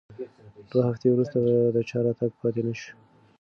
دوه هفتې وروسته د چا راتګ پاتې نه شو.